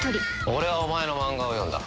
俺はお前のマンガを読んだ。